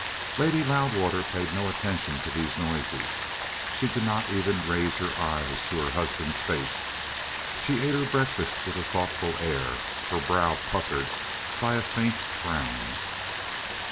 Lady Loudwater paid no attention to these noises. She did not even raise her eyes to her husband's face. She ate her breakfast with a thoughtful air, her brow puckered by a faint frown.